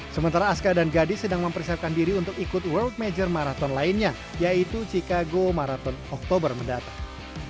sementara aska dan gadis sedang mempersiapkan diri untuk ikut world major marathon lainnya yaitu chicago marathon oktober mendatang